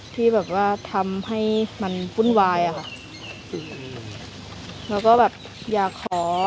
ที่แบบว่าทำให้มันวุ่นวายอะค่ะแล้วก็แบบอยากขอ